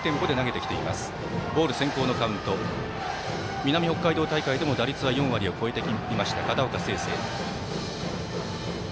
南北海道大会でも打率は４割を超えていました片岡誠亮。